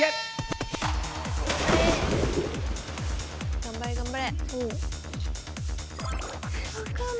頑張れ頑張れ。